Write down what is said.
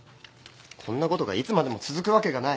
こんなことがいつまでも続くわけがない。